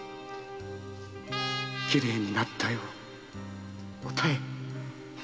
きれいになったよ妙。